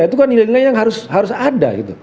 itu kan nilai nilai yang harus ada gitu